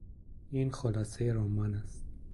این خلاصه رمان است.